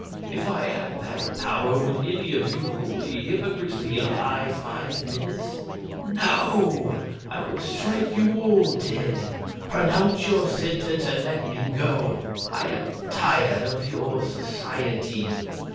If I had that power would any of you holy hypocrites be alive five minutes? No; I would strike you all dead. Pronounce your sentence and let me go; I am tired of your society."